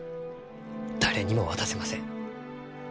誰にも渡せません。